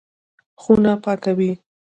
خونه پاکوي.